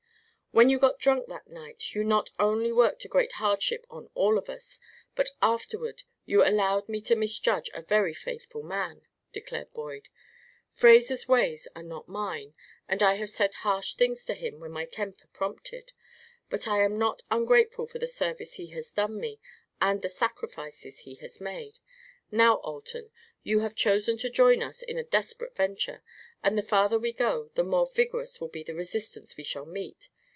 "When you got drunk that night you not only worked a great hardship on all of us, but afterward you allowed me to misjudge a very faithful man," declared Boyd. "Fraser's ways are not mine, and I have said harsh things to him when my temper prompted; but I am not ungrateful for the service he has done me and the sacrifices he has made. Now, Alton, you have chosen to join us in a desperate venture, and the farther we go the more vigorous will be the resistance we shall meet.